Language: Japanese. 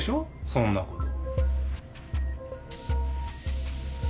そんなこと。